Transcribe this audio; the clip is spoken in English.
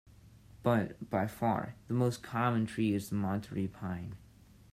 But, by far, the most common tree is the Monterey pine.